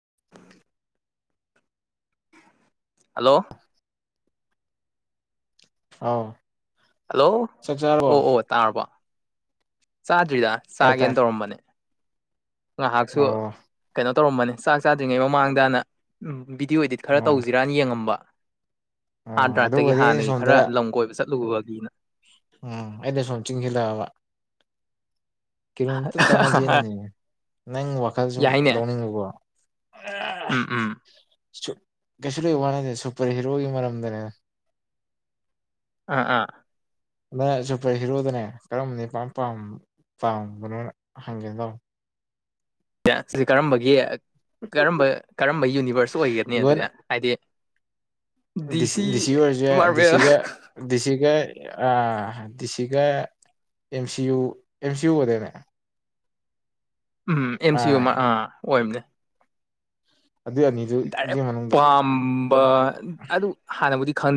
[inaudible] hello ꯑꯥꯎ hello ꯆꯥꯛ ꯆꯥꯔꯕꯣ ꯑꯣ ꯑꯣ ꯇꯥꯔꯕꯣ ꯆꯥꯗ꯭ꯔꯤꯗ ꯇꯥꯏ ꯆꯥꯒꯦꯅ ꯇꯥꯏ ꯇꯧꯔꯝꯕꯅꯦ ꯉꯥꯏꯍꯥꯛꯁꯨ ꯑꯣ ꯀꯩꯅꯣ ꯇꯧꯔꯝꯕꯅꯤ ꯆꯥꯛ ꯆꯥꯗ꯭ꯔꯤꯉꯩ ꯃꯃꯥꯡꯗꯅ ꯎꯝ ꯕꯤꯗꯤꯑꯣ ꯏꯗꯤꯠ ꯈꯔ ꯑꯣ ꯇꯧꯁꯤꯔꯅ ꯌꯦꯡꯉꯝꯕ ꯍꯥꯔꯠ ꯑꯣ ꯗ꯭ꯔꯥꯏꯞꯇꯒꯤ ꯑꯗꯨꯒꯗꯤ ꯑꯩꯅ ꯍꯥꯟꯅꯒꯤ ꯁꯣꯝꯗ ꯈꯔ ꯂꯝ ꯀꯣꯏꯕ ꯆꯠ ꯂꯨꯗꯅ ꯎꯝ ꯑꯩꯅ ꯁꯣꯨꯝ ꯆꯤꯡꯁꯤꯜꯂꯛꯑꯕ ꯀꯤꯂꯣꯃꯤꯇꯔ ꯇꯥꯅꯖꯦꯅꯅꯤ ꯅꯪ ꯋꯥꯈꯜ ꯁꯨꯝ ꯌꯥꯏꯅꯦ ꯂꯧꯅꯤꯡꯉꯨꯀꯣ ꯑ ꯎꯝ ꯎꯝ ꯀꯩꯁꯨ ꯂꯩꯣꯏ ꯋꯥꯅꯤꯁꯦ ꯁꯨꯄꯔ ꯍꯤꯔꯣꯒꯤ ꯃꯔꯝꯗꯅꯦ ꯑꯥ ꯑꯥ ꯅ ꯁꯨꯄꯔ ꯍꯤꯔꯣꯗꯅꯦ ꯀꯔꯝꯕꯅꯦ ꯄꯥꯝꯕ ꯆꯥꯡ ꯍꯪꯦ ꯑꯦ ꯁꯤꯁ ꯀꯔꯝꯕꯒꯤ ꯀꯔꯝꯕ ꯀꯔꯝꯕ ꯌꯨꯅꯤꯚꯔꯁ ꯑꯣꯏꯒꯅꯤ ꯂꯣꯏꯅ ꯑꯗꯨꯗ ꯍꯥꯏꯗꯤ ꯗꯤ ꯁꯤ ꯗꯤꯁꯤ ꯑꯣꯏꯔꯁꯨ ꯃꯥꯔꯕꯦꯜ ꯗꯤꯁꯤꯒ ꯗꯤꯁꯤꯒ ꯑ ꯗꯤꯁꯤꯒꯦꯝ ꯁꯤꯌꯨ ꯑꯦꯝ ꯁꯤꯌꯨ ꯑꯣꯏꯗꯅꯦ ꯎꯝ ꯑꯦꯝ ꯁꯤ ꯌꯨ ꯑꯥ ꯑꯣꯏꯕꯅꯦ ꯑꯗꯨꯏ ꯑꯅꯤꯗꯨꯒꯤ ꯗꯥꯏꯔꯦꯛ ꯃꯅꯨꯡꯗ ꯄꯥꯝꯕ ꯑꯗꯨ ꯍꯥꯟꯅꯕꯨꯗꯤ ꯈꯪ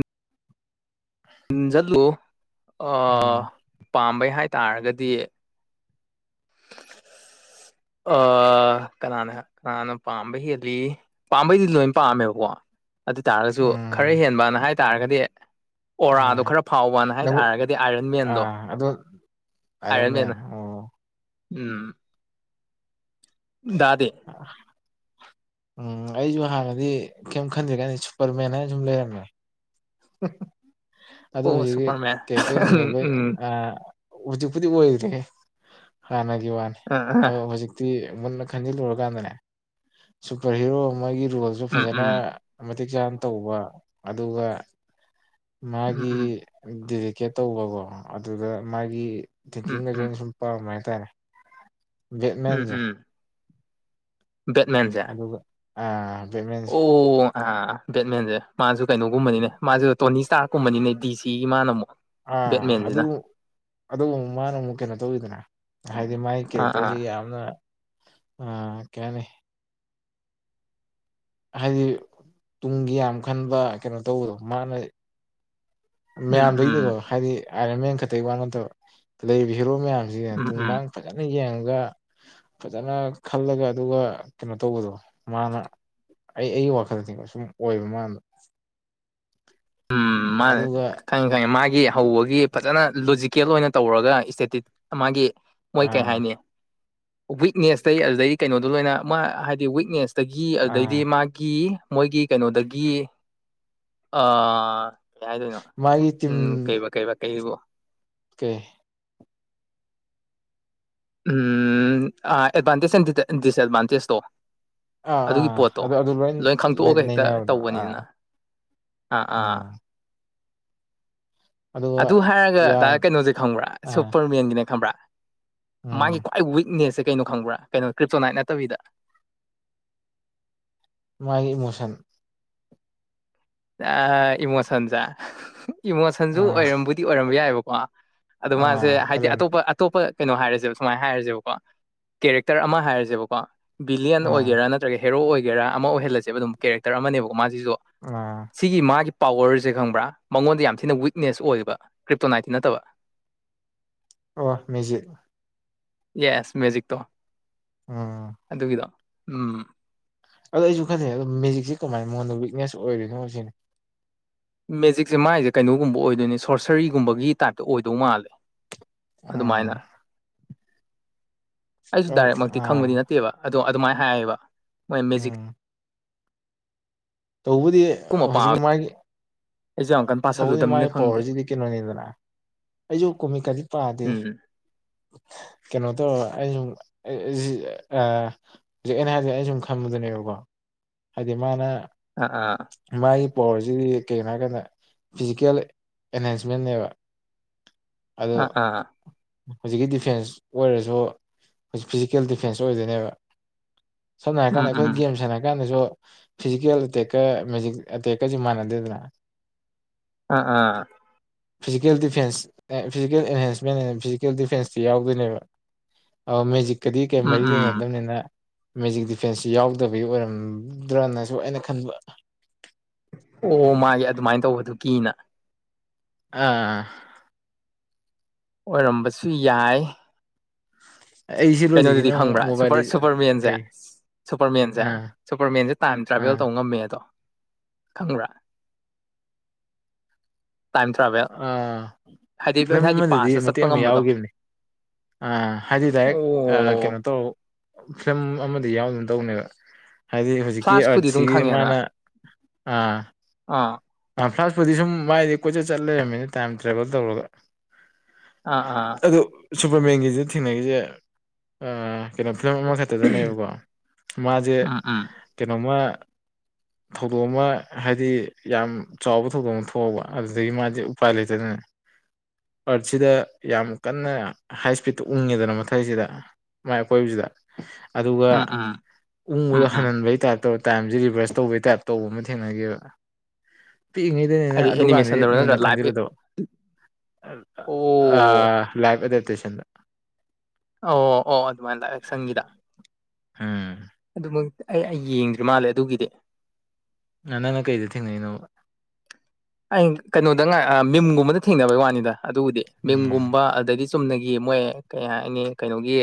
ꯆꯠꯂꯨ ꯎꯝ ꯄꯥꯝꯕꯩ ꯍꯥꯏꯇꯥꯥꯔꯒꯗꯤ ꯑ ꯀꯅꯥꯅ ꯀꯅꯥꯅꯣ ꯄꯥꯝꯕ ꯍꯦꯜꯂꯤ ꯄꯥꯝꯕꯩꯗꯤ ꯂꯣꯏ ꯄꯥꯝꯃꯦꯕꯀꯣ ꯑꯗꯨ ꯇꯥꯔꯒꯁꯨ ꯈꯔ ꯎꯝ ꯍꯦꯟꯕꯅ ꯍꯥꯏꯇꯥꯔꯒꯗꯤ ꯑ ꯑꯣꯔꯥꯗꯣ ꯈꯔ ꯐꯥꯎꯕꯅ ꯅꯪ ꯍꯥꯏꯇꯥꯔꯒꯗꯤ ꯑꯥꯏꯔꯟ ꯃꯦꯟꯗꯣ ꯑꯥꯏꯔꯟ ꯑꯔꯃꯦꯌꯥ ꯃꯦꯟꯅ ꯑꯣ ꯎꯝ ꯥꯗꯦ ꯎꯝ ꯑꯩꯁꯨ ꯍꯥꯟꯅꯗꯤ ꯀꯩꯝ ꯈꯟꯗ꯭ꯔꯤ ꯀꯥꯟꯗꯤ ꯁꯨꯄꯔꯃꯦꯟ ꯍꯥꯏꯅ ꯁꯨꯝ ꯂꯩꯔꯝꯃꯦ ꯍ ꯑꯗꯣ ꯑꯣ ꯍꯧꯖꯤꯛꯀꯤ ꯁꯨꯄꯔꯃꯦꯟ ꯀꯦꯔꯦꯛꯇꯔꯁꯤꯡꯗꯣ ꯎꯝ ꯂꯣꯏ ꯍꯧꯖꯤꯛꯄꯨꯗꯤ ꯑꯣꯏꯗ꯭꯭ꯔꯦ ꯍꯥꯟꯅꯒꯤ ꯋꯥꯅꯤ ꯎꯝ ꯑ ꯑꯗ ꯍꯧꯖꯤꯛꯇꯤ ꯃꯨꯟꯅ ꯈꯟꯖꯤꯜꯂꯨꯔꯀꯥꯟꯗꯅꯦ ꯁꯨꯄꯔ ꯍꯤꯔꯣ ꯑꯃꯒꯤ ꯔꯣꯜꯁꯨ ꯎꯝ ꯐꯖꯅ ꯎꯝ ꯃꯇꯤꯛ ꯆꯥꯅ ꯇꯧꯕ ꯑꯗꯨꯒ ꯃꯥꯒꯤ ꯎꯝ ꯎꯝ ꯗꯗꯤꯦꯗꯤꯀꯦꯠ ꯇꯧꯕꯀꯣ ꯑꯗꯨꯗ ꯃꯥꯒꯤ ꯎꯝ ꯇꯦꯡꯀꯤꯡꯗꯁꯨ ꯎꯝ ꯑꯩꯅ ꯁꯨꯝ ꯄꯥꯃꯦ ꯍꯥꯏꯇꯥꯔꯦ ꯎꯝ ꯌꯦꯠꯃꯦꯟꯁꯦ ꯎꯝ ꯕꯦꯠꯃꯦꯟꯁꯦ ꯑ ꯕꯤꯠ ꯃꯤꯟꯁ ꯑ ꯕꯦꯠꯃꯦꯟꯁꯦ ꯃꯥꯁꯨ ꯀꯩꯅꯣꯒꯨꯝꯕꯅꯤꯅꯦ ꯃꯥꯁꯨ ꯇꯣꯅꯤ ꯁꯇꯥꯔꯀꯨꯝꯕꯅꯤꯅꯦ ꯗꯤ ꯁꯤꯒꯤ ꯃꯥꯅ ꯑꯃꯨꯛ ꯑꯥ ꯑꯗꯨ ꯕꯦꯠꯃꯦꯟꯁꯤꯅ ꯑꯗꯨ ꯃꯥꯅ ꯑꯃꯨꯛ ꯀꯩꯅꯣ ꯇꯧꯋꯤꯗꯅ ꯍꯥꯏꯗꯤ ꯃꯥꯒꯤ ꯑꯥ ꯑꯥ ꯀꯦꯔꯦꯛꯇꯔꯁꯤ ꯌꯥꯝꯅ ꯀꯩ ꯍꯥꯏꯅꯤ ꯍꯥꯏꯗꯤ ꯇꯨꯡꯒꯤ ꯌꯥꯝ ꯈꯟꯕ ꯀꯩꯅꯣ ꯇꯧꯕꯗꯣ ꯃꯥꯅ ꯎꯝ ꯎꯝ ꯃꯌꯥꯝꯗꯒꯤꯅꯤꯀꯣ ꯍꯥꯏꯗꯤ ꯑꯥꯏꯔꯟ ꯃꯦꯟ ꯈꯛꯇꯒꯤ ꯋꯥ ꯅꯠꯇꯕ ꯂꯩꯔꯤꯕ ꯍꯦꯔꯣ ꯃꯌꯥꯝ ꯎꯝ ꯎꯝ ꯇꯨꯡꯥꯡ ꯐꯖꯅ ꯌꯦꯡꯉꯒ ꯑꯗꯨꯒ ꯐꯖꯅ ꯈꯜꯂꯒ ꯑꯗꯨꯒ ꯀꯩꯅꯣ ꯇꯧꯕꯗꯣ ꯃꯥꯅ ꯑꯩ ꯑꯩꯒꯤ ꯋꯥꯈꯜꯗ ꯊꯉꯣ ꯁꯨꯝ ꯑꯣꯏꯕ ꯃꯗ ꯎꯝ ꯃꯥꯅꯦ ꯈꯪꯉꯦ ꯈꯪꯉꯦ ꯃꯥꯒꯤ ꯍꯧꯕꯒꯤ ꯐꯖꯅ ꯂꯣꯖꯤꯀꯦꯜ ꯑꯣꯏꯅ ꯇꯧꯔꯒ ꯏꯁꯇꯦꯇꯤ ꯃꯥꯒꯤ ꯃꯣꯏ ꯀꯩ ꯑꯥ ꯍꯥꯏꯅꯤ ꯋꯤꯛꯅꯦꯁꯇꯩ ꯑꯗꯨꯗꯩ ꯀꯩꯅꯣꯗꯣ ꯂꯣꯏꯅ ꯃꯥ ꯍꯥꯏꯗꯤ ꯋꯤꯛꯅꯦꯁ ꯇꯒꯤ ꯑꯗꯨꯗꯩꯗꯤ ꯑꯥ ꯃꯥꯒꯤ ꯃꯣꯏꯒꯤ ꯀꯩꯅꯣꯗꯒꯤ ꯀꯩ ꯍꯥꯏꯗꯣꯏꯅꯣ ꯃꯥꯒꯤ ꯎꯝ ꯀꯩ ꯀꯩ ꯀꯩꯕꯣ ꯑꯣ ꯀꯦ ꯎꯝ ꯑꯦꯗꯚꯥꯟꯇꯦꯖ ꯑꯦ ꯗꯤꯁꯑꯠꯚꯥꯟꯇꯦꯖꯇꯣ ꯑꯥ ꯑꯗꯨꯒꯤ ꯑꯥ ꯄꯣꯠꯇꯣ ꯑꯗꯨ ꯑꯗꯨ ꯂꯣꯏ ꯈꯪꯇꯣꯛꯑꯒ ꯍꯦꯛꯇ ꯅꯩꯅꯕꯗꯣ ꯑꯥ ꯇꯧꯕꯅꯤꯅ ꯑꯥ ꯑꯥ ꯎꯝ ꯑꯗꯨꯒ ꯑꯗꯨ ꯍꯥꯏꯔꯒ ꯇ ꯌꯥꯝ ꯀꯩꯅꯣꯁꯦ ꯈꯪꯕ꯭ꯔꯥ ꯑꯥ ꯁꯨꯄꯔ ꯃꯦꯟꯒꯤꯅꯦ ꯈꯪꯕ꯭ꯔꯥ ꯎꯝ ꯃꯥꯒꯤ ꯈ꯭ꯋꯥꯏ ꯋꯤꯛꯅꯦꯁ ꯀꯩꯅꯣ ꯈꯪꯕ꯭ꯔꯥ ꯀꯩꯅꯣ ꯀ꯭ꯔꯤꯞꯇꯣꯅꯥꯏꯠ ꯅꯠꯇꯕꯤꯗ ꯃꯥꯒꯤ ꯏꯃꯣꯁꯟ ꯏꯃꯣꯁꯟꯁꯦ ꯏꯃꯣꯁꯟꯁꯨ ꯑꯥ ꯑꯣꯏꯔꯝꯕꯨꯗꯤ ꯑꯣꯏꯔꯝꯕ ꯌꯥꯏꯑꯕꯀꯣ ꯑꯗꯨ ꯃꯥꯁꯦ ꯑꯥ ꯍꯥꯏꯗꯤ ꯍꯥꯏꯔꯛꯑꯣꯅꯦ ꯑꯇꯣꯞꯄ ꯑꯇꯣꯞꯄ ꯀꯩꯅꯣ ꯍꯥꯏꯔꯁꯦꯕ ꯁꯨꯃꯥꯏꯅ ꯍꯥꯏꯔꯁꯦꯕꯀꯣ ꯀꯦꯔꯦꯛꯇꯔ ꯑꯃ ꯍꯥꯏꯔꯁꯦꯕꯀꯣ ꯕꯤꯂꯤꯌꯟ ꯑꯥ ꯑꯣꯏꯒꯦꯔꯥ ꯅꯠꯇ꯭ꯔꯒ ꯍꯦꯔꯣ ꯑꯣꯏꯒꯦꯔꯥ ꯑꯃ ꯑꯣꯏꯍꯜꯂꯁꯦꯕ ꯑꯗꯨꯝ ꯀꯦꯔꯦꯛꯇꯔ ꯑꯃꯅꯦꯕꯣ ꯃꯥꯁꯤꯁꯨ ꯑꯥ ꯁꯤꯒꯤ ꯃꯥꯒꯤ ꯄꯋꯔꯁꯦ ꯈꯪꯕ꯭ꯔꯥ ꯃꯉꯣꯟꯗ ꯌꯥꯝ ꯊꯤꯅ ꯋꯤꯛꯅꯦꯁ ꯑꯣꯏꯌꯦꯕ ꯀ꯭ꯔꯤꯞꯇꯣꯅꯥꯏꯇꯤ ꯅꯠꯇꯕ ꯑꯣ ꯃꯦꯖꯤꯦ ꯌꯦꯁ ꯃꯦꯖꯤꯛꯇꯣ ꯎꯝ ꯑꯗꯨꯒꯤꯗꯣ ꯎꯝ ꯑꯗꯣ ꯑꯩꯁꯨ ꯈꯜꯂꯤꯩ ꯑꯗꯣ ꯃꯦꯖꯤꯛꯁꯦ ꯀꯃꯥꯏꯅ ꯃꯉꯣꯟꯗ ꯋꯤꯛꯅꯦꯁ ꯑꯣꯏꯔꯤꯅꯣ ꯁꯤꯅꯤ ꯃꯦꯖꯤꯛꯁꯦ ꯃꯒꯤꯁꯦ ꯀꯩꯅꯣꯒꯨꯝꯕ ꯑꯣꯏꯗꯣꯏꯅꯦ ꯁꯣꯔꯁꯔꯤꯒꯨꯝꯕꯒꯤ ꯇꯥꯏꯞꯇ ꯑꯣꯏꯗꯧ ꯃꯥꯜꯂꯦ ꯑꯗꯨꯃꯥꯏꯅ ꯎꯝ ꯑꯩꯁꯨ ꯗꯥꯏꯔꯦꯛꯃꯛꯇꯤ ꯑꯥ ꯈꯪꯕꯗꯤ ꯅꯠꯇꯦꯕ ꯑꯗꯣ ꯑꯗꯨꯃꯥꯏꯅ ꯍꯥꯏꯌꯦꯕ ꯃꯣꯏ ꯎꯝ ꯃꯦꯖꯤꯛ ꯇꯧꯕꯗꯤ ꯀꯨꯝꯕ ꯍꯧꯖꯤꯛ ꯄꯥꯝꯃꯦ ꯃꯥꯒꯤ ꯑꯩꯁꯨ ꯌꯥꯝ ꯀꯟꯅ ꯇꯧꯕꯗꯤ ꯄꯥꯁꯜꯂꯨꯗꯕꯅꯤꯅ ꯃꯥꯥꯏ ꯈꯪꯗꯦ ꯄꯋꯥꯔꯁꯤꯗꯤ ꯀꯩꯅꯣꯅꯤꯗꯅ ꯑꯩꯁꯨ ꯀꯣꯃꯤꯀꯥꯗꯤ ꯄꯥꯗꯦ ꯎꯝ ꯀꯩꯅꯣ ꯧ ꯑꯩ ꯁꯨꯝ ꯍꯧꯖꯤꯛ ꯑꯩꯅ ꯍꯥꯏꯖꯤꯦ ꯑꯩꯅ ꯁꯨꯝ ꯈꯟꯕꯗꯨꯅꯦꯕꯀꯣ ꯑꯗꯤ ꯃꯥꯅ ꯑꯥ ꯑꯥ ꯃꯥꯒꯤ ꯄꯋꯥꯔꯁꯤꯗꯤ ꯀꯩꯒꯤꯅꯣ ꯍꯥꯏꯔ ꯀꯥꯟꯗ ꯐꯤꯖꯤꯀꯦꯜ ꯑꯦꯅꯦꯟꯖꯃꯦꯟꯅꯦꯕ ꯑꯥ ꯑꯥ ꯍꯧꯖꯤꯛꯀꯤ ꯗꯤꯐꯦꯟꯁ ꯑꯣꯏꯔꯁꯨ ꯍꯧꯖꯤꯛ ꯐꯤꯖꯤꯀꯦꯜ ꯗꯤꯐꯦꯟꯁ ꯑꯣꯏꯗꯣꯏꯅꯦꯕ ꯁꯝꯅ ꯎꯝ ꯍꯥꯏꯔꯀꯥꯟꯗ ꯎꯝ ꯑꯩꯈꯣꯏ ꯒꯦꯝ ꯁꯥꯟꯅ ꯍꯥꯏꯔ ꯀꯥꯟꯗꯁꯨ ꯐꯤꯖꯤꯀꯦꯜ ꯑ ꯇꯦꯛꯀꯦꯖꯤ ꯇꯦꯛꯀꯁꯤ ꯃꯥꯟꯅꯗꯦꯗꯅ ꯑ ꯑꯥ physical defence physical enhancement physical ꯗꯤꯐꯦꯟꯁꯇꯤ ꯌꯥꯎꯗꯣꯏꯅꯦꯕ ꯑ ꯃꯦꯖꯤꯛꯀꯗꯤ ꯀꯌꯥꯝ ꯎꯝ ꯃꯔꯤ ꯎꯝ ꯂꯩꯅꯗꯕꯅꯤꯅ ꯃꯦꯖꯤꯛ ꯗꯤꯐꯦꯟꯁꯁꯨ ꯌꯥꯎꯗꯕꯒꯤ ꯑꯣꯏꯔꯝꯗ꯭ꯔꯅꯁꯨ ꯑꯩꯅ ꯈꯟꯕ ꯑꯣ ꯃꯥꯒꯤ ꯑꯗꯨꯃꯥꯏꯅ ꯇꯧꯕꯗꯨ ꯀꯤꯅ ꯑꯥ ꯑꯣꯏꯔꯝꯕꯁꯨ ꯌꯥꯏ ꯑꯩ ꯁꯤ ꯀꯩꯅꯣꯗꯨꯗꯤ ꯂꯣꯏꯁꯤꯒꯤꯅ ꯑꯃꯨꯛ ꯈꯪꯕ꯭ꯔꯥ ꯃꯣꯕꯥꯏꯜ ꯁꯨꯄꯔ ꯁꯨꯄꯔ ꯃꯦꯟꯁꯦ ꯀꯩ ꯁꯨꯄꯔꯃꯦꯟꯁꯦ ꯑꯥ ꯁꯨꯄꯔꯃꯦꯟꯁꯦ ꯇꯥꯏꯝ ꯇ꯭ꯔꯥꯚꯦꯜ ꯑꯥ ꯇꯧ ꯉꯝꯃꯦꯗꯣ ꯈꯪꯕ꯭ꯔꯥ ꯇꯥꯏꯝ ꯇ꯭ꯔꯥꯚꯦꯜ ꯑꯥ ꯍꯥꯏꯗꯤ ꯐꯤꯂꯝ ꯍꯥꯏꯗꯤ ꯑꯃꯗꯗꯤ ꯄꯥꯁꯇ ꯃꯇꯦꯛ ꯆꯠꯄ ꯑꯃ ꯉꯝꯕꯗꯣ ꯌꯥꯎꯈꯤꯕꯅꯤ ꯑ ꯍꯥꯏꯗꯤ ꯗꯥꯏꯔꯦꯛ ꯑꯣ ꯀꯩꯅꯣ ꯇꯧ ꯐꯤꯂꯝ ꯑꯃꯗꯤ ꯌꯥꯎꯒꯤꯒꯨꯝ ꯇꯧꯕꯅꯦꯕ ꯍꯥꯏꯗꯤ ꯍꯧꯖꯤꯛꯀꯤ ꯐ꯭ꯂꯥꯁꯄꯨꯗꯤ ꯑꯗꯨꯝ ꯑꯥꯔꯠꯁꯤꯒꯤ ꯈꯪꯉꯦꯅ ꯃꯥꯅ ꯑꯥ ꯑꯥ ꯐ꯭ꯂꯥꯁ ꯄꯨꯗꯤ ꯁꯨꯝ ꯃꯥꯏꯗꯤ ꯀꯣꯏꯆꯠ ꯆꯠ ꯂꯩꯔꯝꯃꯤꯅ ꯇꯥꯏꯝ ꯇ꯭ꯔꯥꯚꯦꯜ ꯇꯧꯔꯒ ꯑꯥ ꯑꯥ ꯁꯨꯄꯔꯃꯦꯟꯒꯤꯁꯦ ꯊꯦꯡꯅꯩꯁꯦ ꯀꯩꯅꯣ ꯐꯤꯂꯝ ꯑꯃꯈꯛꯇꯗꯅꯦꯕꯀꯣ ꯃꯥꯁꯦ ꯎꯝ ꯎꯝ ꯀꯩꯅꯣꯃ ꯊꯧꯗꯣꯛ ꯑꯃ ꯍꯥꯏꯗꯤ ꯌꯥꯝ ꯆꯥꯎꯕ ꯊꯧꯗꯣꯛ ꯑꯃ ꯊꯣꯛꯑꯕ ꯑꯗꯨꯗꯒꯤ ꯃꯥꯗꯤ ꯎꯄꯥꯏ ꯂꯩꯇꯗꯅ ꯑꯥꯔꯊꯁꯤꯗ ꯌꯥꯝ ꯀꯟꯅ ꯍꯥꯏ ꯏꯁꯄꯤꯠꯇ ꯎꯡꯉꯦꯗꯅ ꯃꯊꯛꯁꯤꯗ ꯃꯥꯏ ꯑꯩꯀꯣꯏꯕꯁꯤꯗ ꯑꯗꯨꯒ ꯎꯝ ꯎꯝ ꯎꯝ ꯎꯪꯕꯗꯣ ꯎꯝ ꯍꯟꯍꯟꯕꯩ ꯇꯥꯏ ꯇꯧꯔꯒ ꯇꯥꯏꯝꯁꯦ ꯔꯤꯚꯔꯁ ꯇꯧꯕꯩ ꯇꯥꯏꯞ ꯇꯧꯕ ꯑꯃ ꯊꯦꯡꯅꯈꯤꯕꯦꯕ ꯄꯤꯛꯏꯉꯩꯗꯅꯤꯅ ꯍꯥꯏꯗꯤ ꯑꯗꯨꯀꯥꯟꯗꯗꯤ ꯑꯦꯅꯤꯃꯦꯁꯟꯗꯔꯣ ꯅꯠꯇ꯭ꯔꯥ ꯃꯨꯟꯅ ꯂꯥꯏꯚ ꯈꯟꯖꯤꯜꯂꯨꯗꯕ ꯑ ꯑꯣ ꯂꯥꯏꯐ ꯑꯦꯛꯁꯟꯗ ꯑꯣ ꯑꯣ ꯑꯗꯨꯃꯥꯏꯅ ꯂꯥꯏꯊ ꯑꯦꯛꯁꯟꯒꯤꯗ ꯍꯨꯡ ꯑꯗꯨꯃꯛ ꯑꯩ ꯑꯩ ꯌꯦꯡꯗ꯭ꯔꯤ ꯃꯥꯜꯂꯦ ꯑꯗꯨꯒꯤꯗꯤ ꯅꯪꯅ ꯀꯩꯗ ꯊꯦꯡꯅꯔꯤꯅꯣꯕ ꯑꯩ ꯀꯩꯅꯣꯗ ꯃꯤꯝꯒꯨꯝꯕꯗ ꯊꯦꯡꯅꯕꯩ ꯋꯥꯅꯤꯗ ꯑꯗꯨꯕꯨꯗꯤ ꯎꯝ ꯃꯤꯝꯒꯨꯝꯕ ꯑꯗꯒꯤ ꯆꯨꯝꯅꯒꯤ ꯃꯣꯏ ꯀꯩ ꯍꯥꯏꯅꯤ ꯀꯩꯅꯣꯒꯤ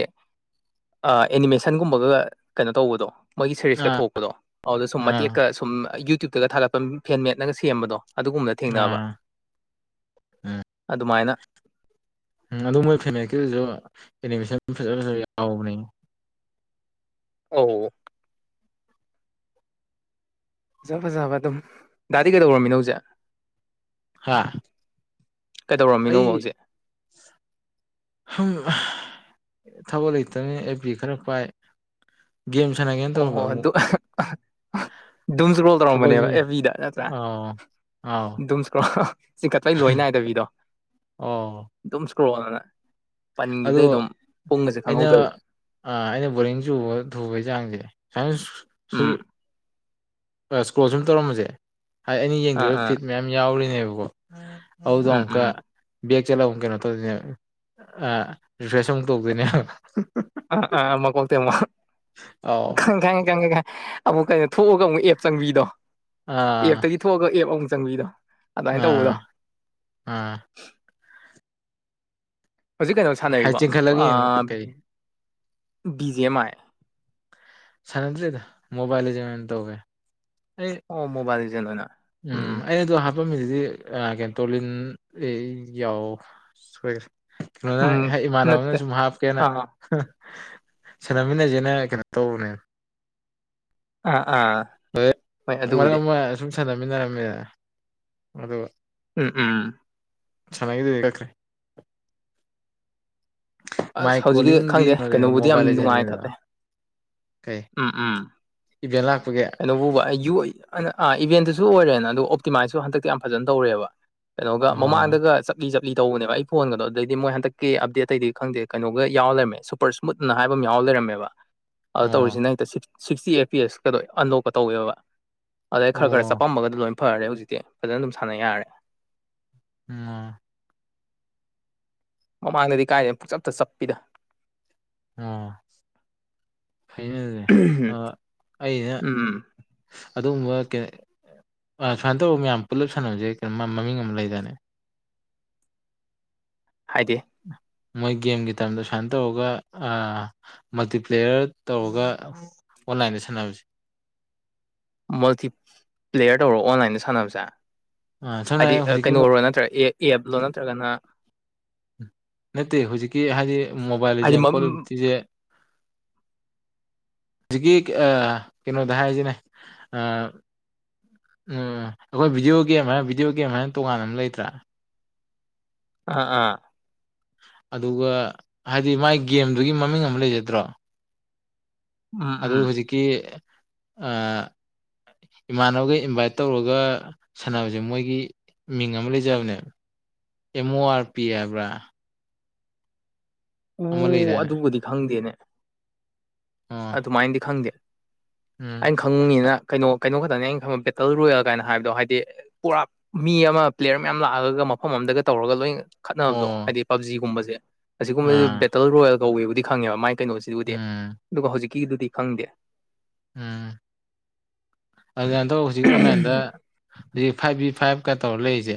ꯑꯦꯅꯤꯃꯦꯁꯟꯒꯨꯝꯕꯒ ꯀꯩꯅꯣ ꯇꯧꯕꯗꯣ ꯃꯣꯏꯒꯤ ꯁꯦꯔꯤꯁꯀ ꯑꯥ ꯊꯣꯛꯄꯗꯣ ꯑꯗꯨꯗ ꯁꯨꯝ ꯑꯥ ꯃꯇꯦꯛꯀ ꯁꯨꯝ ꯌꯨꯇ꯭ꯌꯨꯕꯇꯒ ꯊꯥꯒꯂꯛꯄ ꯐꯦꯟꯃꯦꯠꯅꯒ ꯁꯦꯝꯕꯗꯣ ꯑꯗꯨꯒꯨꯝꯕꯅ ꯊꯦꯡꯅꯕ ꯑꯥ ꯎꯝ ꯑꯗꯨꯃꯥꯏꯅ ꯎꯝ ꯑꯗꯨ ꯃꯣꯏ ꯐꯦꯅꯦꯛꯀꯤꯗꯨꯁꯨ ꯑꯦꯅꯤꯃꯦꯁꯟ ꯐꯖꯥ ꯐꯖꯕꯥ ꯌꯥꯎꯕꯅꯦ ꯑꯧ ꯐꯖ ꯐꯖꯕ ꯑꯗꯨꯝ ꯗꯥꯗꯤ ꯀꯩꯗꯧꯔꯝꯃꯤꯅꯣ ꯍꯧꯖꯤꯛ ꯍꯥꯥ ꯀꯩꯗꯧꯔꯝꯃꯤꯅꯣꯕ ꯍꯧꯖꯤꯛ ꯁꯨꯝ ꯊꯕꯛ ꯂꯩꯇꯕꯅꯤꯅ ꯑꯦꯐ ꯕꯤ ꯈꯔ ꯄꯥꯏ ꯒꯦꯝ ꯁꯥꯟꯅꯒꯦꯅ ꯇꯧꯔꯝꯕ ꯑꯃꯨꯛ ꯗꯨꯝꯁꯔꯣꯜ ꯊꯕꯛꯁꯤ ꯇꯧꯔꯝꯕꯅꯦꯕ ꯑꯦꯐ ꯕꯤꯗ ꯅꯠꯇ꯭ꯔ ꯑꯥꯎ ꯑꯥꯎ ꯗꯨꯝꯁꯀ꯭ꯔꯣꯜ ꯆꯤꯡꯈꯠꯂꯩ ꯂꯣꯏ ꯅꯥꯏꯗꯕꯤꯗꯣ ꯑꯣ ꯗꯨꯝꯏꯁꯀ꯭ꯔꯣꯜꯅ ꯑꯗꯣ ꯑꯩꯅ ꯈꯪꯍꯧꯗꯕꯤ ꯑꯩꯅ ꯕꯣꯔꯤꯡ ꯆꯨꯕ ꯊꯨꯕꯩ ꯆꯥꯡꯁꯦ ꯑꯁ ꯎꯝ ꯏꯁꯀ꯭ꯔꯣꯜ ꯁꯨꯝ ꯇꯧꯔꯝꯕꯁꯦ ꯍꯥꯏꯗꯤ ꯑꯩꯅ ꯑꯥ ꯌꯦꯡꯗ꯭ꯔꯤꯕ ꯑꯥ ꯐꯤꯠ ꯃꯌꯥꯝ ꯌꯥꯎꯔꯤꯅꯦꯕꯀꯣ ꯑꯗꯨꯏꯗꯣ ꯎꯝ ꯑꯃꯨꯛꯀꯥ ꯎꯝ ꯆꯠꯂ ꯑꯃꯨꯛ ꯀꯩꯅꯣ ꯇꯧꯗꯣꯏꯅꯦꯕ ꯑ ꯔꯤꯐ꯭ꯔꯦꯁ ꯑꯃꯨꯛ ꯇꯧꯗꯣꯏꯅꯦꯕ ꯑ ꯑ ꯃꯀꯣꯛꯇꯩ ꯑꯃꯨꯛ ꯑꯧ ꯑꯃꯨꯛ ꯀꯩꯅꯣ ꯊꯣꯛꯑꯒ ꯑꯃꯨꯛ ꯑꯦꯞ ꯆꯪꯕꯤꯗꯣ ꯑꯦꯞꯇꯒꯤ ꯊꯣꯛꯑꯒ ꯑꯦꯞ ꯑꯃꯨꯛ ꯆꯪꯕꯤꯗꯣ ꯑꯗꯨꯃꯥꯏꯅ ꯇꯧꯕꯗꯣ ꯑꯝ ꯑꯝ ꯍꯧꯖꯤꯛ ꯀꯩꯅꯣ ꯍꯥꯏ ꯁꯥꯟꯅꯔꯤꯕꯣ ꯆꯤꯡꯈꯠꯂꯒ ꯑ ꯌꯦꯡ ꯀꯩ ꯕꯤ ꯖꯤ ꯑꯦꯝ ꯑꯥꯏ ꯁꯅꯗ꯭ꯔꯦꯗ ꯃꯣꯕꯥꯏꯜ ꯂꯤꯖꯦꯟ ꯑꯣꯏꯅ ꯇꯧꯋꯦ ꯑꯩ ꯑꯣ ꯃꯣꯕꯥꯏꯜ ꯂꯤꯖꯦꯟ ꯑꯣꯏꯅ ꯎꯝ ꯑꯩ ꯑꯗꯨ ꯍꯥꯟꯅ ꯐꯐꯝ ꯃꯤꯗꯨꯗꯤ ꯀꯦꯟꯇ꯭ꯔꯣꯂꯤꯟ ꯌꯥꯎ ꯁꯣꯏꯒ꯭ꯔꯦ ꯀꯩꯅꯣꯅ ꯎꯝ ꯏꯃꯥꯟꯅꯕꯅ ꯅꯠꯇꯦ ꯁꯨꯝ ꯍꯥꯞꯀꯦꯅ ꯑꯥ ꯁꯥꯟꯅꯃꯤꯟꯅꯁꯤꯦꯅ ꯀꯩꯅꯣ ꯇꯧꯧꯕꯅꯦ ꯑꯥ ꯑꯥ ꯍꯣꯏ ꯍ ꯃꯔꯛ ꯑꯗꯨꯕꯨꯗꯤ ꯑꯃ ꯑ ꯁꯨꯝ ꯁꯥꯟꯅꯃꯤꯟꯅꯔꯝꯃꯦ ꯑꯗꯨꯒ ꯎꯝ ꯎꯝ ꯆꯉꯗꯈ꯭ꯔꯦ ꯑꯁ ꯍꯧꯖꯤꯛꯀꯤ ꯀꯣꯂꯤꯡꯗꯤ ꯈꯪꯗꯦ ꯀꯩꯅꯣꯗꯅ ꯀꯩꯅꯣꯕꯨꯗꯤ ꯃꯣꯕꯥꯏꯜ ꯌꯥꯝ ꯅꯨꯡꯉꯥꯏ ꯂꯦꯖꯦꯟꯗꯅ ꯈꯜꯂꯦ ꯀꯩ ꯎꯝ ꯎꯝ ꯏꯚꯦꯟ ꯂꯥꯛꯄꯒꯤ ꯀꯩꯅꯣꯕꯨ ꯋꯥ ꯌ ꯑ ꯑꯥ ꯏꯚꯦꯟꯗꯁꯨ ꯑꯣꯏꯔꯦꯅ ꯑꯣ ꯑꯣꯞꯇꯤꯃꯥꯏꯖꯁꯨ ꯍꯟꯗꯛꯇꯤ ꯌꯥꯝ ꯐꯖꯅ ꯇꯧꯔꯦꯕ ꯀꯩꯅꯣꯒ ꯑꯣ ꯃꯃꯥꯡꯗꯒ ꯆꯠꯂꯤ ꯆꯠ ꯂꯤ ꯇꯧꯕꯅꯦꯕ ꯑꯩ ꯐꯣꯟꯒꯗꯣ ꯑꯗꯨꯗꯩꯗꯤ ꯃꯣꯏ ꯍꯟꯗꯛꯀꯤꯞꯦꯇꯩꯗꯤ ꯈꯪꯗꯦ ꯀꯩꯅꯣꯒ ꯌꯥꯎꯔꯃꯦ ꯁꯨꯄꯔ ꯁ꯭ꯃꯨꯠꯅ ꯍꯥꯏꯕ ꯑꯃ ꯌꯥꯎꯔ ꯀꯗꯔꯝꯕ ꯑꯣ ꯇꯧꯔꯤꯁꯤꯅ ꯍꯦꯛꯇꯛ ꯁꯤꯛꯁꯇꯤ ꯑꯦ ꯄꯤ ꯑꯦꯁꯀꯗꯣꯏ ꯑꯟꯗꯣꯛꯀ ꯇꯧꯋꯦꯕ ꯑꯗꯩ ꯈꯔ ꯈꯔ ꯑꯣ ꯆꯄꯝꯃꯒꯗꯤ ꯂꯣꯏꯅ ꯐꯔꯦ ꯍꯧꯖꯤꯛꯇꯤ ꯐꯖꯅ ꯑꯗꯨꯝ ꯁꯥꯟꯅ ꯌꯥꯔꯦ ꯎ ꯃꯃꯥꯡꯗꯗꯤ ꯀꯥꯏꯗꯦ ꯑꯃ ꯄꯨꯛ ꯆꯞꯇ ꯆꯞꯄꯤꯗ ꯑ ꯐꯅꯦꯁꯦ ꯑ ꯑꯩꯅ ꯎꯝ ꯑꯗꯨꯒꯨꯝꯕ ꯁꯨꯃꯥꯏꯅ ꯇꯧꯕ ꯃꯌꯥꯝ ꯄꯨꯂꯞ ꯁꯥꯟꯅꯕꯁꯦ ꯀꯩꯅꯣ ꯃꯃꯤꯡ ꯑꯃ ꯂꯩꯗꯅꯤ ꯍꯥꯏꯗꯤ ꯑ ꯃꯣꯏ ꯒꯦꯝꯒꯤ ꯇꯝꯗ ꯁꯨꯃꯥꯏꯅ ꯇꯧꯔꯒ ꯃꯜꯇꯤꯄ꯭ꯂꯦꯌꯔ ꯇꯧꯔꯒ ꯑꯣ ꯂꯥꯏꯟ ꯁꯅ ꯍꯧꯁꯤ ꯃꯜꯇꯤ ꯄ꯭ꯂꯦꯌꯔ ꯇꯧꯔꯣ ꯑꯣꯟꯂꯥꯏꯟꯗ ꯁꯥꯟꯅꯕꯁꯦ ꯑꯥ ꯁꯝꯅ ꯍꯥꯏꯗꯤ ꯍꯥꯏꯔꯕꯗ ꯍꯧꯖꯤꯛꯀꯤ ꯀꯩꯅꯣꯔꯣ ꯅꯠꯇ꯭ꯔꯒ ꯑꯦ ꯑꯦꯞꯂꯣ ꯅꯠꯇ꯭ꯔꯒꯅ ꯎꯝ ꯅꯠꯇꯦ ꯍꯧꯖꯤꯛꯀꯤ ꯍꯥꯏꯗꯤ ꯃꯣꯕꯥꯏꯜꯁꯦ ꯍꯥꯏꯗꯤ ꯃꯝ ꯀꯣꯇꯁꯦ [inaudible] ꯍꯧꯖꯤꯛꯀꯤ ꯀꯩꯅꯣꯗ ꯍꯥꯏꯁꯤꯅꯦ ꯎꯝ ꯑꯩꯈꯣꯏ ꯚꯤꯗꯤꯑꯣ ꯒꯦꯝ ꯍꯥꯏꯅ ꯚꯤꯗꯤꯑꯣ ꯒꯦꯝ ꯍꯥꯏꯅ ꯇꯣꯉꯥꯟꯅ ꯑꯃ ꯂꯩꯇ꯭ꯔꯥ ꯑꯥ ꯑꯥ ꯑꯗꯨꯒ ꯍꯥꯏꯗꯤ ꯃꯥꯏ ꯒꯦꯝꯗꯨꯒꯤ ꯃꯃꯤꯡ ꯑꯃ ꯂꯩꯖꯗ꯭ꯔꯣ ꯎꯝ ꯑꯗꯨ ꯎꯝ ꯍꯧꯖꯤꯛꯀꯤ ꯏꯃꯥꯟꯅꯕꯒ ꯏꯟꯚꯥꯏꯠ ꯇꯧꯔꯒ ꯁꯥꯟꯅꯕꯁꯦ ꯃꯣꯏꯒꯤ ꯃꯤꯡ ꯑꯃ ꯂꯩꯖꯕꯅꯦꯕ ꯑꯦꯝ ꯑꯣ ꯑꯥꯔ ꯄꯤ ꯍꯥꯏꯕ꯭ꯔꯥ ꯑꯃ ꯑꯣ ꯂꯩꯗꯥꯏꯅꯦ ꯑꯗꯨꯕꯨꯗꯤ ꯈꯪꯗꯦꯅꯦ ꯑꯣ ꯑꯗꯨꯃꯥꯏꯅꯗꯤ ꯈꯪꯗꯦ ꯎꯝ ꯑꯩꯅ ꯈꯪꯉꯤꯅ ꯀꯩꯅꯣ ꯀꯩꯅꯣ ꯈꯛꯇꯅꯦ ꯑꯩꯅ ꯈꯕ ꯕꯦꯇꯜ ꯔꯣꯌꯦꯜ ꯀꯥꯏꯅ ꯍꯥꯏꯕꯗꯣ ꯍꯥꯏꯗꯤ ꯄꯨꯔꯥ ꯃꯤ ꯑꯃ ꯄ꯭ꯂꯦꯌꯔ ꯃꯌꯥꯝ ꯂꯥꯛꯑꯒ ꯃꯐꯝ ꯑꯃ ꯑꯝ ꯗꯒ ꯇꯧꯔꯒ ꯂꯣꯏꯅ ꯈꯠꯅꯕꯗꯣ ꯑꯣ ꯍꯥꯏꯗꯤ ꯄꯕꯖꯤꯒꯨꯝꯕꯁꯦ ꯑꯁꯤꯒꯨꯝꯕꯕꯁꯤ ꯑꯥ ꯕꯦꯇꯜ ꯔꯣꯌꯦꯜ ꯀꯧꯋꯦꯕꯨꯗꯤ ꯈꯪꯉꯦꯕ ꯃꯥꯏ ꯀꯩꯅꯣꯁꯤꯕꯨꯗꯤ ꯎꯝ ꯑꯗꯨꯒ ꯍꯧꯖꯤꯛꯀꯤꯗꯨꯗꯤ ꯈꯪꯗꯦ ꯎꯝ ꯑꯗꯨꯃꯥꯏꯅ ꯇꯧꯔ ꯍꯧꯖꯤꯛ ꯑꯣꯟꯂꯥꯏꯟꯗ ꯍꯧꯖꯤꯛ ꯐꯥꯏꯚ ꯕꯤ ꯐꯥꯏꯚꯀ ꯇꯧꯔ ꯂꯩꯔꯤꯁꯦ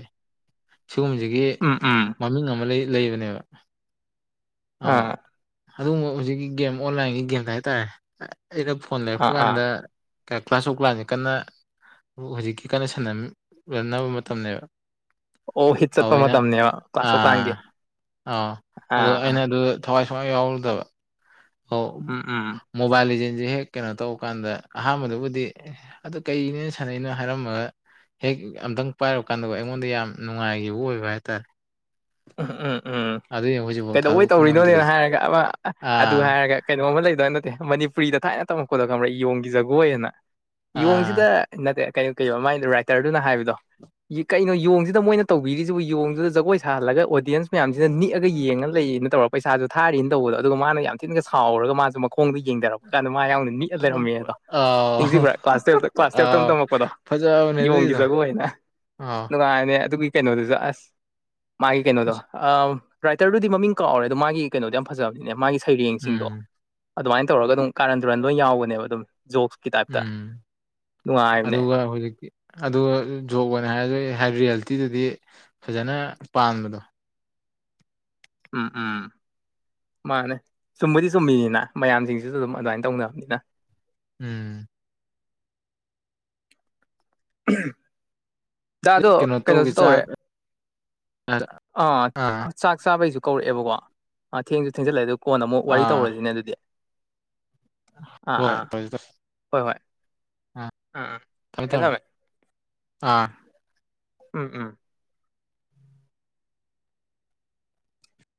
ꯁꯤꯒꯨꯝꯕꯁꯤꯒꯤ ꯎꯝ ꯎꯝ ꯃꯃꯤꯡ ꯑꯃ ꯂꯩꯕꯅꯦꯕ ꯑ ꯑꯥ ꯑꯗꯨꯒꯨꯝꯕ ꯍꯧꯖꯤꯛꯀꯤ ꯒꯦꯝ ꯑꯣꯟꯂꯥꯏꯟꯒꯤ ꯒꯦꯝꯗ ꯍꯥꯏꯇꯥꯔꯦ ꯑꯩꯅ ꯐꯣꯟ ꯂꯩꯔꯛꯄ ꯑꯥ ꯑꯥ ꯀꯥꯟꯗ ꯀ꯭ꯂꯥꯁꯁꯨ ꯂꯥꯟꯁꯦ ꯀꯟꯅ ꯍꯧꯖꯤꯛꯀꯤ ꯀꯟꯅ ꯁꯟꯅꯕ ꯃꯇꯝꯅꯦꯕ ꯑꯣ ꯍꯤꯠ ꯆꯠꯄ ꯑꯩꯅ ꯃꯇꯝꯅꯦꯕ ꯑ ꯀ꯭ꯂꯥꯁ ꯑꯣꯐ ꯀ꯭ꯂꯥꯟꯒꯤ ꯑ ꯑꯣ ꯑꯥ ꯑꯩꯅ ꯑꯗꯨ ꯊꯋꯥꯏ ꯁꯨꯋꯥꯏ ꯌꯥꯎꯔꯨꯗꯕ ꯑꯣ ꯎꯝ ꯎꯝ ꯃꯣꯕꯥꯏꯜꯖꯁꯦ ꯍꯦꯛ ꯀꯩꯅꯣ ꯇꯧꯕ ꯀꯥꯟꯗ ꯑꯍꯥꯟꯕꯗꯨꯕꯨꯗꯤ ꯑꯗꯨ ꯀꯩꯅꯦ ꯁꯥꯟꯅꯩꯅꯣ ꯍꯥꯏꯔꯝꯃꯒ ꯍꯦꯛ ꯑꯝꯇꯪ ꯄꯥꯏꯔꯨꯀꯥꯟꯗ ꯑꯩꯉꯣꯟꯗ ꯌꯥꯝ ꯅꯨꯡꯉꯥꯏꯈꯤꯕ ꯑꯣꯏꯕ ꯍꯥꯏꯇꯥꯔꯦ ꯎꯝ ꯎꯝ ꯑꯗꯨꯏꯅꯦ ꯍꯧꯖꯤꯛꯐꯥꯎ ꯀꯩꯗꯧꯕꯩ ꯊꯥꯗꯣꯛꯄ ꯇꯧꯔꯤꯅꯣꯅꯦꯅ ꯉꯝꯗ꯭ꯔꯤꯁꯦ ꯍꯥꯏꯔꯒ ꯑꯃ ꯑꯗꯨꯒ ꯑꯥ ꯍꯥꯏꯔꯒ ꯀꯩꯅꯣꯝꯃ ꯂꯩ ꯅꯠꯇꯦ ꯃꯅꯤꯄꯨꯔꯤꯗ ꯊꯥꯏꯅ ꯇꯝꯃꯛꯛꯄꯗ ꯀꯝꯕ ꯏ ꯌꯦꯌꯣꯡꯒꯤ ꯖꯒꯣꯏ ꯍꯥꯏꯅ ꯑꯥ ꯏꯌꯣꯡꯁꯤꯗ ꯅꯠꯇꯦ ꯀꯩꯅꯣ ꯀꯩꯩꯅꯣ ꯃꯥꯏ ꯔꯥꯏꯇꯔꯗꯨꯅ ꯍꯥꯏꯕꯗꯣ ꯀꯩꯅꯣ ꯌꯦꯣꯡꯁꯤꯗ ꯃꯣꯏꯅ ꯇꯧꯕꯤꯔꯤꯁꯤꯕꯨ ꯌꯣꯡꯗꯨꯗ ꯖꯒꯣꯏ ꯊꯥꯜꯂꯒ ꯑꯣꯗꯤꯌꯦꯟꯁ ꯃꯌꯥꯝꯁꯤꯅ ꯅꯤꯛꯑꯒ ꯌꯦꯡꯉꯒ ꯂꯩꯌꯦꯅ ꯇꯧꯔꯛꯄ ꯄꯩꯁꯥꯁꯨ ꯊꯥꯔꯤꯅꯤꯅ ꯇꯧꯕꯗꯣ ꯑꯗꯨꯒ ꯃꯥꯅ ꯌꯥꯝ ꯊꯤꯅꯒ ꯁꯥꯎꯔꯒ ꯃꯥꯁꯨ ꯃꯈ ꯈꯣꯡꯗ ꯌꯦꯡꯊꯔꯛꯄ ꯀꯥꯟꯗ ꯃꯥ ꯌꯥꯎꯅ ꯛꯑ ꯂꯩꯔꯝꯃꯦ ꯑꯗꯣ ꯑꯥꯎ ꯅꯤꯡꯁꯤꯡꯕ꯭ꯔꯥ ꯀ꯭ꯂꯥꯁ ꯇꯨꯌꯦꯜꯞꯇ ꯀ꯭ꯂꯥꯁ ꯇꯨꯌꯦꯜꯞꯇ ꯑꯥꯎ ꯑꯃ ꯇꯝꯃꯛꯄꯗꯣ ꯐꯖꯕꯅꯦ ꯌꯣꯡꯒꯤ ꯑꯗꯨꯏꯗꯣ ꯖꯒꯣꯏꯅ ꯑꯥ ꯅꯨꯡꯉꯥꯏꯅꯦ ꯑꯗꯨꯒꯤ ꯀꯩꯅꯣꯗꯨꯁꯨ ꯑꯁ ꯃꯥꯒꯤ ꯀꯩꯅꯣꯗꯣ ꯑ ꯔꯥꯏꯇꯔꯗꯨꯗꯤ ꯃꯃꯤꯡ ꯀꯛꯎꯔꯦ ꯑꯗꯣ ꯃꯥꯒꯤ ꯀꯩꯅꯣꯗꯣ ꯌꯥꯝ ꯐꯖꯕꯅꯤꯅꯦ ꯃꯥꯒꯤ ꯁꯩꯔꯦꯡꯁꯤꯡꯗꯣ ꯎꯝ ꯑꯗꯨꯃꯥꯏꯅ ꯇꯧꯔꯒ ꯑꯗꯨꯝ ꯀꯥꯔꯟ ꯇꯨꯔꯟ ꯂꯣꯏ ꯌꯥꯎꯒꯅꯦꯕ ꯑꯗꯨꯝ ꯖꯣꯛꯁꯀꯤ ꯇꯥꯏꯞꯇ ꯎꯝ ꯅꯨꯡꯉꯥꯏꯕꯅꯦ ꯑꯗꯨꯒ ꯍꯧꯖꯤꯛꯇꯤ ꯑꯗꯨꯒ ꯖꯣꯕ ꯑꯣꯏꯅ ꯍꯥꯏꯔꯁꯨ ꯑꯦ ꯍꯥꯏ ꯔꯤꯌꯦꯜꯇꯤꯗꯨꯗꯤ ꯐꯖꯅ ꯄꯥꯟꯕꯗꯣ ꯑꯥ ꯑꯥ ꯃꯥꯅꯦ ꯆꯨꯝꯕꯗꯤ ꯆꯨꯝꯃꯤꯅꯤꯅ ꯃꯌꯥꯝꯁꯤꯡꯁꯤꯁꯨ ꯑꯗꯨꯝ ꯑꯗꯨꯃꯥꯏꯅ ꯇꯧꯅꯕꯅꯤꯅ ꯎꯝ ꯖꯗꯣ ꯀꯩꯅꯣ ꯇꯧꯒꯦ ꯀꯩꯅꯣꯁꯨ ꯆꯥꯛ ꯇꯧꯔꯦ ꯑꯥ ꯆꯥꯛ ꯆꯥꯕꯩꯁꯨ ꯀꯧꯔꯛꯑꯦꯕꯀꯣ ꯑ ꯊꯦꯡꯁꯨ ꯊꯦꯡꯖꯜꯂꯦ ꯑꯗꯨ ꯀꯣꯟꯅ ꯑꯃꯨꯛ ꯋꯥꯔꯤ ꯑꯥ ꯇꯧꯔꯁꯤꯅꯦ ꯑꯗꯨꯗꯤ ꯑꯥ ꯍꯣꯏ ꯑꯥ ꯇ ꯑꯔꯦ ꯊꯝꯃꯦ ꯊꯝꯃꯦ ꯊꯃꯦ ꯑꯥ ꯎꯝ ꯎꯝ